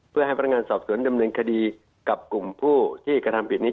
เพื่อให้พนักงานสอบสวนดำเนินคดีกับกลุ่มผู้ที่กระทำผิดนี้